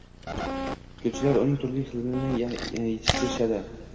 Gulchilar uning turli xilini yetishtirishadi.